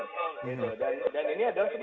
mereka cari asal impor dari indonesia